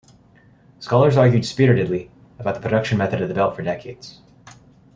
Scholars argued spiritedly about the production method of the belt for decades.